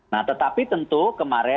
nah tetapi tentu kemarin